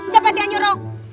siapa yang nyuruh